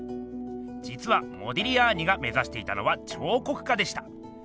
じつはモディリアーニが目ざしていたのは彫刻家でした。